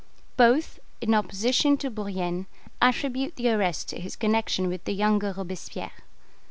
Both, in opposition to Bourrienne, attribute the arrest to his connection with the younger Robespierre.